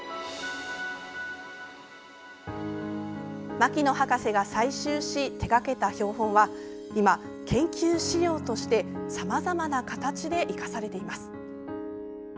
牧野博士が採集し手がけた標本は今、研究資料としてさまざまな形で生かされています。